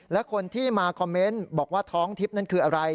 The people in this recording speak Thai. และคนที่มาคอมเมนต์บอกว่าท้องทิพย์นั้นคืออะไร